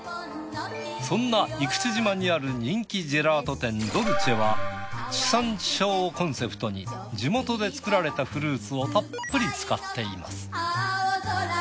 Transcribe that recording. そんな生口島にある人気ジェラート店ドルチェは地産地消をコンセプトに地元で作られたフルーツをたっぷり使っています。